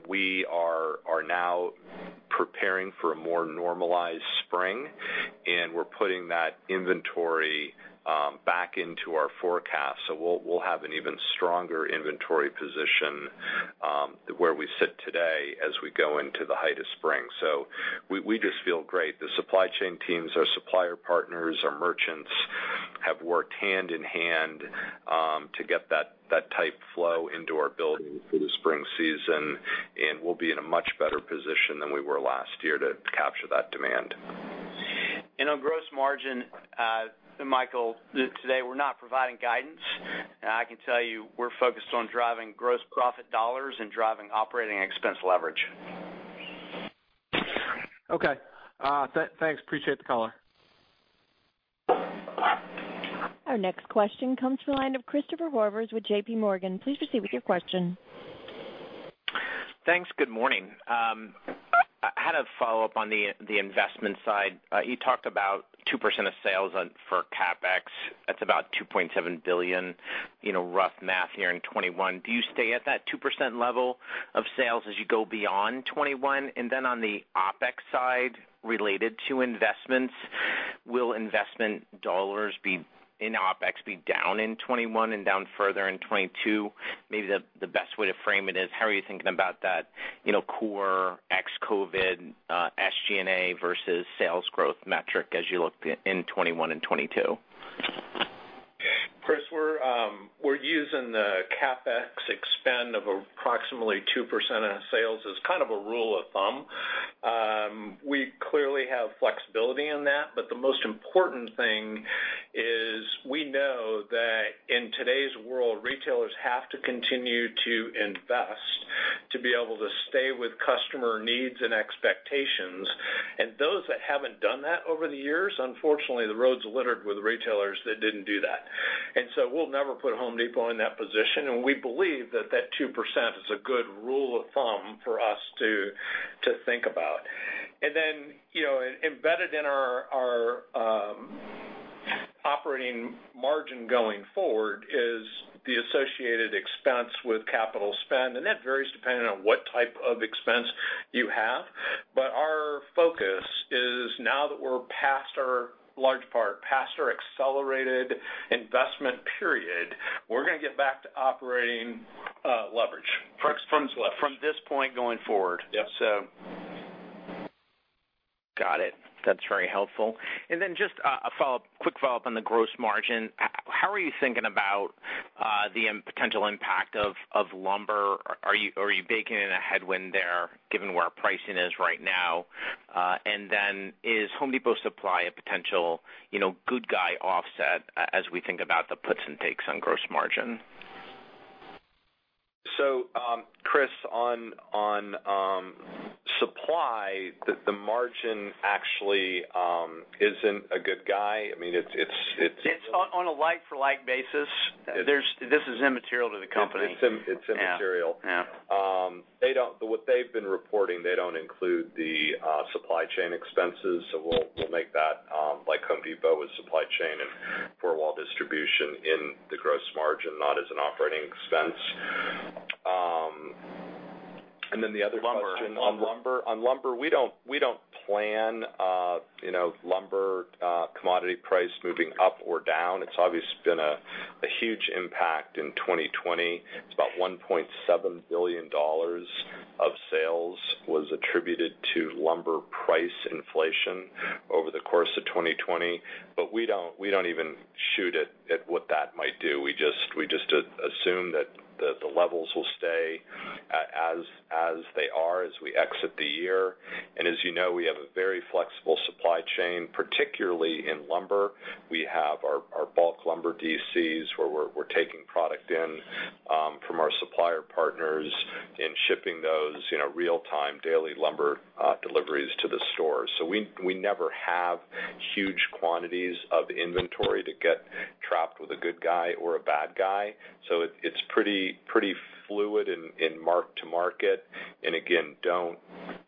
We are now preparing for a more normalized spring, and we're putting that inventory back into our forecast. We'll have an even stronger inventory position where we sit today as we go into the height of spring. We just feel great. The supply chain teams, our supplier partners, our merchants have worked hand in hand to get that type flow into our building for the spring season, and we'll be in a much better position than we were last year to capture that demand. On gross margin, Michael, today we're not providing guidance. I can tell you, we're focused on driving gross profit dollars and driving operating expense leverage. Okay. Thanks. Appreciate the color. Our next question comes from the line of Christopher Horvers with JPMorgan. Please proceed with your question. Thanks. Good morning. I had a follow-up on the investment side. You talked about 2% of sales for CapEx. That's about $2.7 billion, rough math here in 2021. Do you stay at that 2% level of sales as you go beyond 2021? Then on the OpEx side related to investments, will investment dollars in OpEx be down in 2021 and down further in 2022? Maybe the best way to frame it is how are you thinking about that core ex-COVID SG&A versus sales growth metric as you look in 2021 and 2022? Chris, we're using the CapEx expend of approximately 2% of sales as kind of a rule of thumb. We clearly have flexibility in that, but the most important thing is we know that in today's world, retailers have to continue to invest to be able to stay with customer needs and expectations. Those that haven't done that over the years, unfortunately, the road's littered with retailers that didn't do that. We'll never put The Home Depot in that position, and we believe that that 2% is a good rule of thumb for us to think about. Embedded in our operating margin going forward is the associated expense with capital spend, and that varies depending on what type of expense you have. Our focus is now that we're past our large part, past our accelerated investment period, we're going to get back to operating leverage from this point going forward. Yep. Got it. That's very helpful. Just a quick follow-up on the gross margin. How are you thinking about the potential impact of lumber? Are you baking in a headwind there given where pricing is right now? Is The Home Depot Supply a potential good guy offset as we think about the puts and takes on gross margin? Chris, on supply, the margin actually isn't a good guy. It's on a like-for-like basis. This is immaterial to the company. It's immaterial. Yeah. What they've been reporting, they don't include the supply chain expenses, so we'll make that like The Home Depot with supply chain and four-wall distribution in the gross margin, not as an operating expense. Then the other question- Lumber. On lumber. On lumber, we don't plan lumber commodity price moving up or down. It's obviously been a huge impact in 2020. It's about $1.7 billion of sales was attributed to lumber price inflation over the course of 2020. We don't even shoot at what that might do. We just assume that the levels will stay as they are as we exit the year. As you know, we have a very flexible supply chain, particularly in lumber. We have our bulk lumber DCs where we're taking product in from our supplier partners and shipping those real-time daily lumber deliveries to the store. We never have huge quantities of inventory to get trapped with a good guy or a bad guy. It's pretty fluid in mark-to-market, and again, don't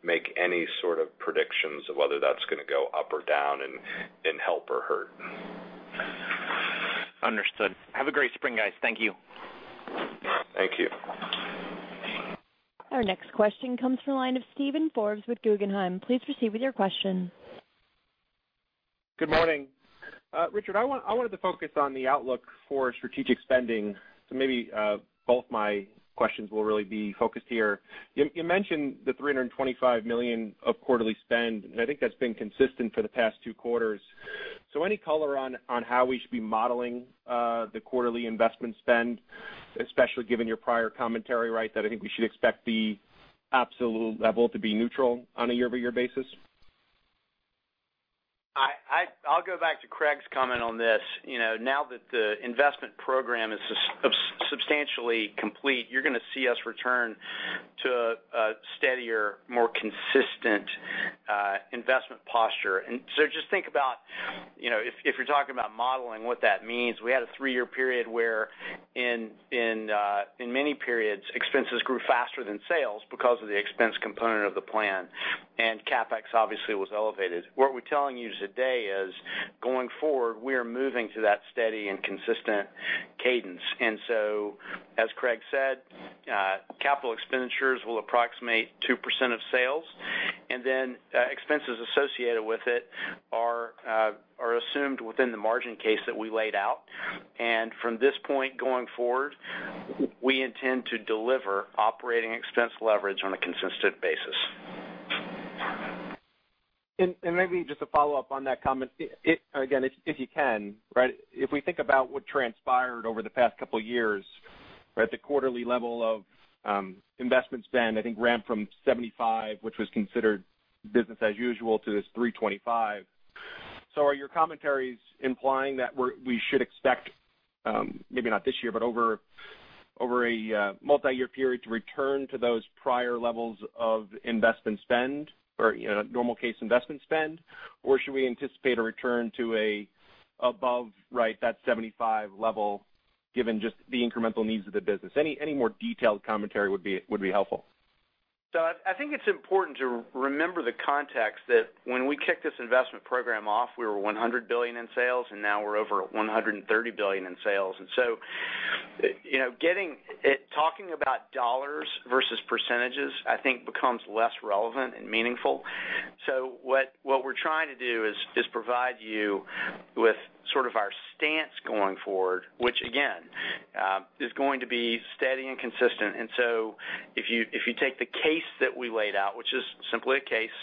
make any sort of predictions of whether that's going to go up or down and help or hurt. Understood. Have a great spring, guys. Thank you. Thank you. Our next question comes from the line of Steven Forbes with Guggenheim. Please proceed with your question. Good morning. Richard, I wanted to focus on the outlook for strategic spending, maybe both my questions will really be focused here. You mentioned the $325 million of quarterly spend, and I think that's been consistent for the past two quarters. Any color on how we should be modeling the quarterly investment spend, especially given your prior commentary, right, that I think we should expect the absolute level to be neutral on a year-over-year basis? I'll go back to Craig's comment on this. Now that the investment program is substantially complete, you're going to see us return to a steadier, more consistent investment posture. Just think about if you're talking about modeling what that means, we had a three-year period where in many periods, expenses grew faster than sales because of the expense component of the plan, and CapEx obviously was elevated. What we're telling you today is, going forward, we are moving to that steady and consistent cadence. As Craig said, capital expenditures will approximate 2% of sales, and then expenses associated with it are assumed within the margin case that we laid out. From this point going forward, we intend to deliver operating expense leverage on a consistent basis. Maybe just to follow up on that comment, again, if you can, right? If we think about what transpired over the past couple of years, right, at the quarterly level of investment spend, I think ramped from $75, which was considered business as usual, to this $325. Are your commentaries implying that we should expect, maybe not this year, but over a multi-year period to return to those prior levels of investment spend or normal case investment spend, or should we anticipate a return to above, right, that $75 level given just the incremental needs of the business? Any more detailed commentary would be helpful. I think it's important to remember the context that when we kicked this investment program off, we were $100 billion in sales, and now we're over $130 billion in sales. Talking about dollars versus percentages, I think, becomes less relevant and meaningful. What we're trying to do is provide you with sort of our stance going forward, which again, is going to be steady and consistent. If you take the case that we laid out, which is simply a case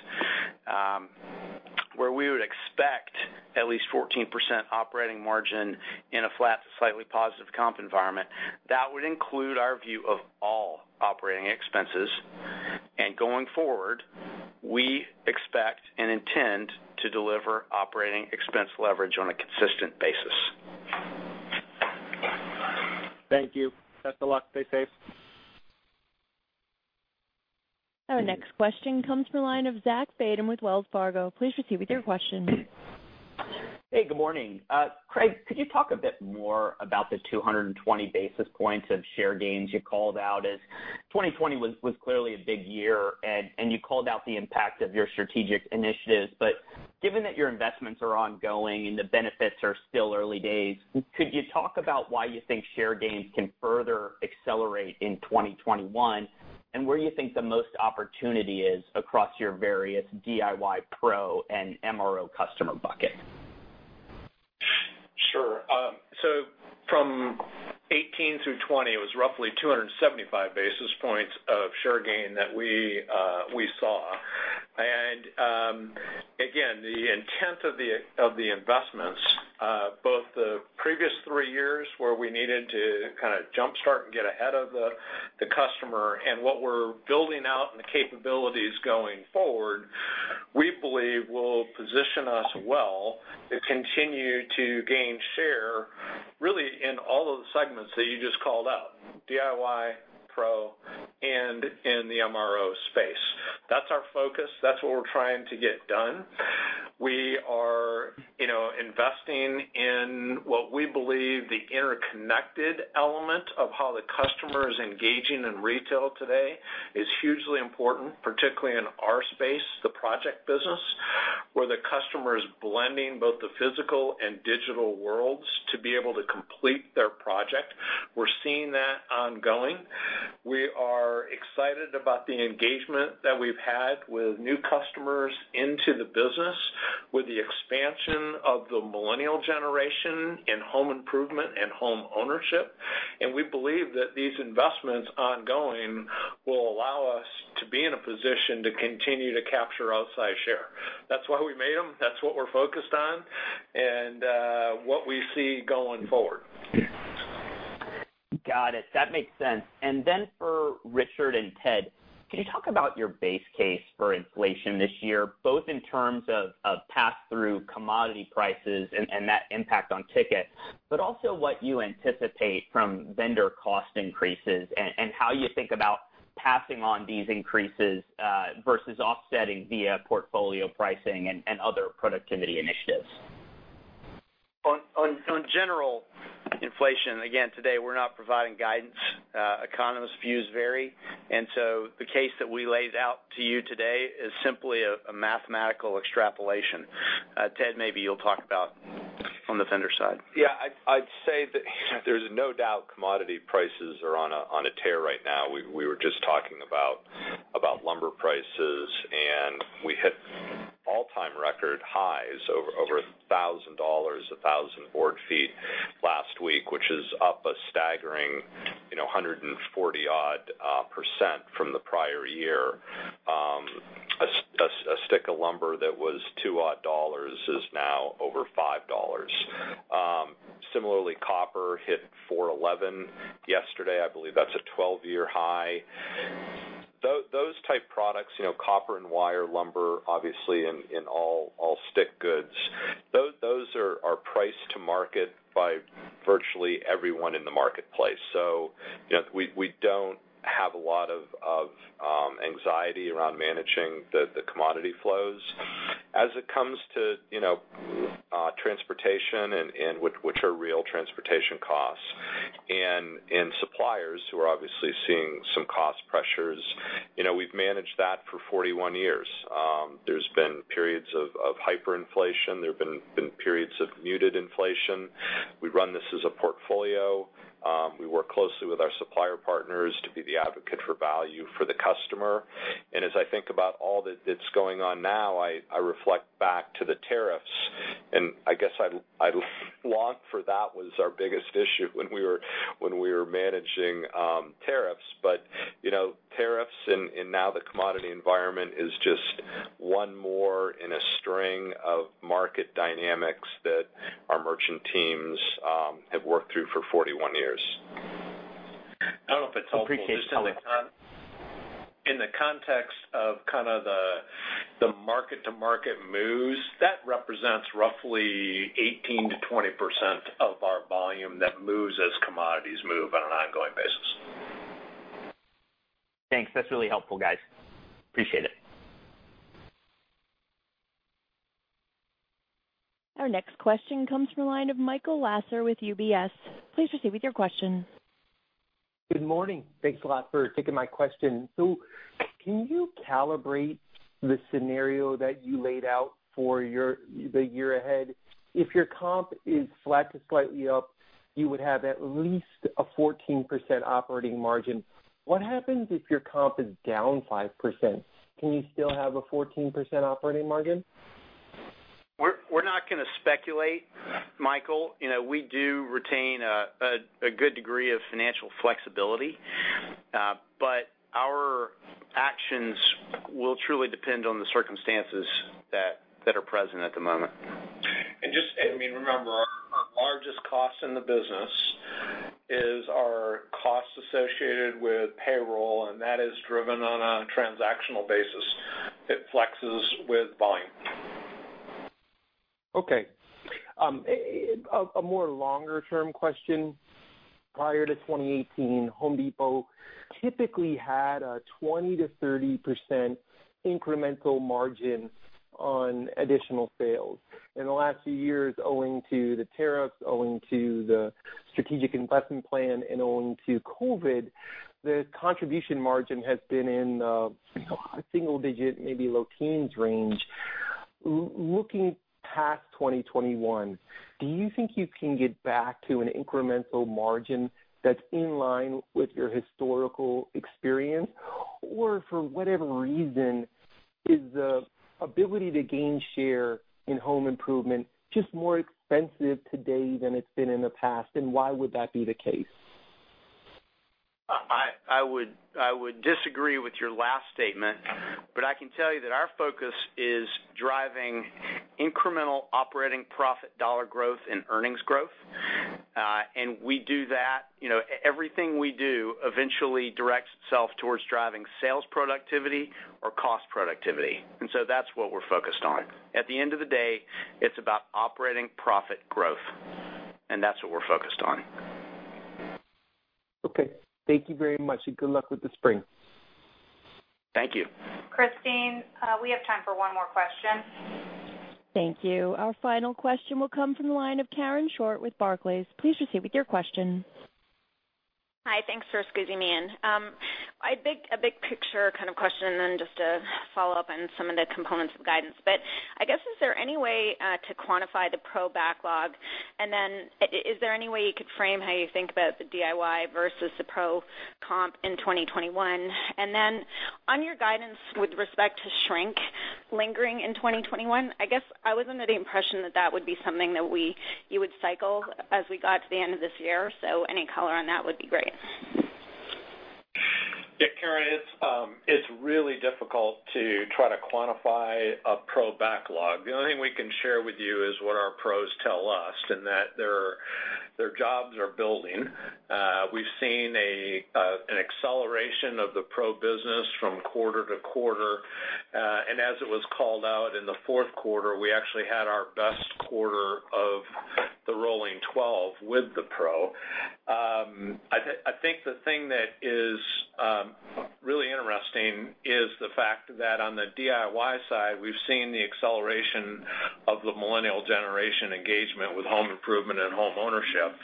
where we would expect at least 14% operating margin in a flat to slightly positive comp environment, that would include our view of all operating expenses. Going forward, we expect and intend to deliver operating expense leverage on a consistent basis. Thank you. Best of luck. Stay safe. Our next question comes from the line of Zachary Fadem with Wells Fargo. Please proceed with your question. Hey, good morning. Craig, could you talk a bit more about the 220 basis points of share gains you called out, as 2020 was clearly a big year, and you called out the impact of your strategic initiatives. Given that your investments are ongoing and the benefits are still early days, could you talk about why you think share gains can further accelerate in 2021, and where you think the most opportunity is across your various DIY Pro and MRO customer bucket? Sure. From 2018 through 2020, it was roughly 275 basis points of share gain that we saw. Again, the intent of the investments, both the previous three years where we needed to kind of jumpstart and get ahead of the customer and what we're building out and the capabilities going forward, we believe will position us well to continue to gain share, really in all of the segments that you just called out, DIY, Pro, and in the MRO space. That's our focus. That's what we're trying to get done. We are investing in what we believe the interconnected element of how the customer is engaging in retail today is hugely important, particularly in our space, the project business, where the customer is blending both the physical and digital worlds to be able to complete their project. We're seeing that ongoing. We are excited about the engagement that we've had with new customers into the business, with the expansion of the Millennial generation in home improvement and home ownership. We believe that these investments ongoing will allow us to be in a position to continue to capture outsized share. That's why we made them, that's what we're focused on and what we see going forward. Got it. That makes sense. For Richard and Ted, can you talk about your base case for inflation this year, both in terms of pass-through commodity prices and that impact on ticket, but also what you anticipate from vendor cost increases and how you think about passing on these increases versus offsetting via portfolio pricing and other productivity initiatives? On general inflation, again, today, we're not providing guidance. Economists' views vary. The case that we laid out to you today is simply a mathematical extrapolation. Ted, maybe you'll talk about on the vendor side. Yeah. I'd say that there's no doubt commodity prices are on a tear right now. We were just talking about lumber prices, and we hit all-time record highs over $1,000 a 1,000 board feet last week, which is up a staggering 140-odd percent from the prior year. A stick of lumber that was $2-odd is now over $5. Similarly, copper hit $4.11 yesterday. I believe that's a 12-year high. Those type products, copper in wire, lumber, obviously, and all stick goods, those are priced to market by virtually everyone in the marketplace. We don't have a lot of anxiety around managing the commodity flows. As it comes to transportation, and which are real transportation costs, and suppliers who are obviously seeing some cost pressures, we've managed that for 41 years. There's been periods of hyperinflation. There have been periods of muted inflation. We run this as a portfolio. We work closely with our supplier partners to be the advocate for value for the customer. As I think about all that's going on now, I reflect back to the tariffs, and I guess I long for that was our biggest issue when we were managing tariffs. Tariffs and now the commodity environment is just one more in a string of market dynamics that our merchant teams have worked through for 41 years. I don't know if it's helpful- Appreciate your time.... just in the context of kind of the market-to-market moves, that represents roughly 18%-20% of our volume that moves as commodities move on an ongoing basis. Thanks. That's really helpful, guys. Appreciate it. Our next question comes from the line of Michael Lasser with UBS. Please proceed with your question. Good morning. Thanks a lot for taking my question. Can you calibrate the scenario that you laid out for the year ahead? If your comp is flat to slightly up, you would have at least a 14% operating margin. What happens if your comp is down 5%? Can you still have a 14% operating margin? We're not going to speculate, Michael. We do retain a good degree of financial flexibility, but our actions will truly depend on the circumstances that are present at the moment. Just remember, our largest cost in the business is our costs associated with payroll, and that is driven on a transactional basis. It flexes with volume. Okay. A more longer-term question. Prior to 2018, The Home Depot typically had a 20%-30% incremental margin on additional sales. In the last few years, owing to the tariffs, owing to the strategic investment plan, and owing to COVID, the contribution margin has been in the single digit, maybe low teens range. Looking past 2021, do you think you can get back to an incremental margin that's in line with your historical experience? For whatever reason, is the ability to gain share in home improvement just more expensive today than it's been in the past? Why would that be the case? I would disagree with your last statement, but I can tell you that our focus is driving incremental operating profit dollar growth and earnings growth. Everything we do eventually directs itself towards driving sales productivity or cost productivity. That's what we're focused on. At the end of the day, it's about operating profit growth. That's what we're focused on. Okay. Thank you very much, and good luck with the spring. Thank you. Christine, we have time for one more question. Thank you. Our final question will come from the line of Karen Short with Barclays. Please proceed with your question. Hi. Thanks for squeezing me in. A big picture kind of question just to follow up on some of the components of guidance. I guess, is there any way to quantify the pro backlog? Is there any way you could frame how you think about the DIY versus the pro comp in 2021? On your guidance with respect to shrink lingering in 2021, I guess I was under the impression that that would be something that you would cycle as we got to the end of this year. Any color on that would be great. Yeah, Karen. It's really difficult to try to quantify a pro backlog. The only thing we can share with you is what our pros tell us, and that their jobs are building. We've seen an acceleration of the pro business from quarter to quarter. As it was called out in the fourth quarter, we actually had our best quarter of the rolling 12 with the pro. I think the thing that is really interesting is the fact that on the DIY side, we've seen the acceleration of the millennial generation engagement with home improvement and home ownership.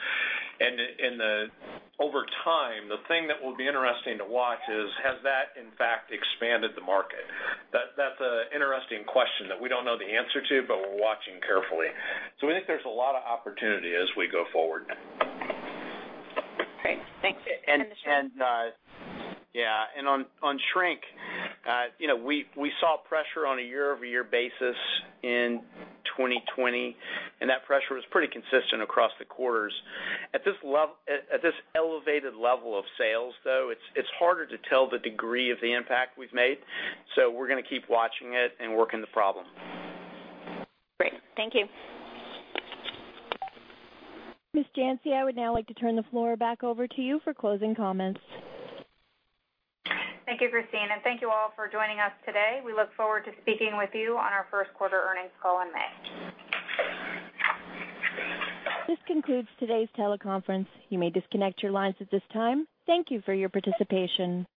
Over time, the thing that will be interesting to watch is, has that, in fact, expanded the market? That's an interesting question that we don't know the answer to, we're watching carefully. We think there's a lot of opportunity as we go forward. Great. Thanks. Yeah. On shrink, we saw pressure on a year-over-year basis in 2020, and that pressure was pretty consistent across the quarters. At this elevated level of sales, though, it's harder to tell the degree of the impact we've made. We're going to keep watching it and working the problem. Great. Thank you. Ms. Janci, I would now like to turn the floor back over to you for closing comments. Thank you, Christine, and thank you all for joining us today. We look forward to speaking with you on our first quarter earnings call in May. This concludes today's teleconference. You may disconnect your lines at this time. Thank you for your participation.